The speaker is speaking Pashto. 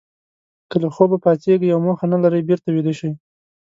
که له خوبه پاڅېږئ او موخه نه لرئ بېرته ویده شئ.